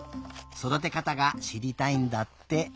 そだてかたがしりたいんだって。